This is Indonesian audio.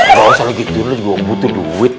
bapak selalu gituin lo juga butuh duit